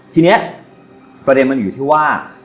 ทีนี้ประเด็นมันอยู่ที่ว่า